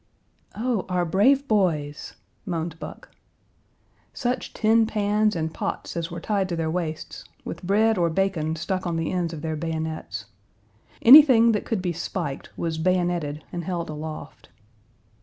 "Oh, our brave boys!" moaned Buck. Such tin pans and pots as were tied to their waists, with bread or bacon stuck on the ends of their bayonets. Anything that could be spiked was bayoneted and held aloft.